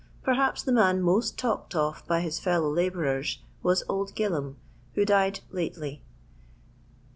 Perhaps the man most talked of by his fel low labourers, was Old Q ilham, who died lately.